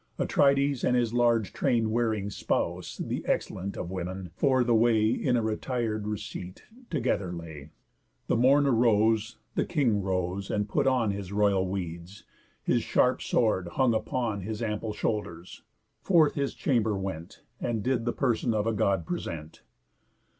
Atrides, and his large train wearing spouse, The excellent of women, for the way, In a retir'd receit, together lay. The Morn arose; the king rose, and put on His royal weeds, his sharp sword hung upon His ample shoulders, forth his chamber went, And did the person of a God present.